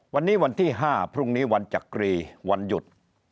วันนี้วันที่๕พรุ่งนี้วันจักรีวันหยุด